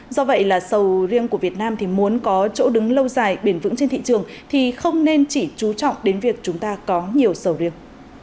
do vậy là sầu riêng của việt nam thì muốn có chỗ đứng lâu dài bền vững trên thị trường thì không nên chỉ chú trọng đến việc chúng ta có nhiều sầu riêng